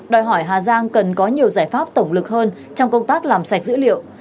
đòi hỏi hà giang cần có nhiều giải pháp tổng lực hơn trong công tác làm sạch dữ liệu